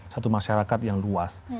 satu masyarakat yang luas